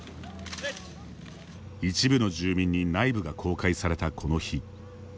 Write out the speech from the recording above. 一部の住民に内部が公開されたこの日。